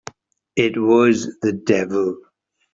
It was the devil!